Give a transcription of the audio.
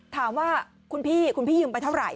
ถามว่าคุณพี่คุณพี่ยืมไปเท่าไห